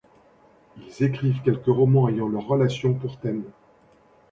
Ils écrivent quelques romans ayant leur relation pour thème.